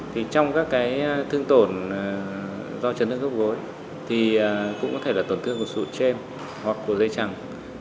trong các cái thương tổn do trấn thương khớp gối thì cũng có thể là tổn thương của sụn trêm hoặc của dây trăng